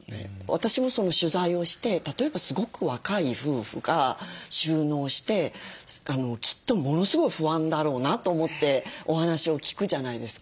私も取材をして例えばすごく若い夫婦が就農してきっとものすごい不安だろうなと思ってお話を聞くじゃないですか。